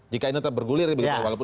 jika ini tetap bergulir begitu walaupun